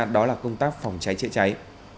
đó là công tác phòng cháy chế cháy